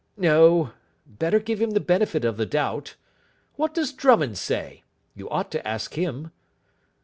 "No. Better give him the benefit of the doubt. What does Drummond say? You ought to ask him."